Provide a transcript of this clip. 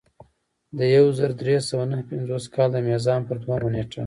د یو زر درې سوه نهه پنځوس کال د میزان پر دویمه نېټه.